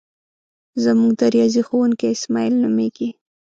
زمونږ د ریاضی ښوونکی اسماعیل نومیږي.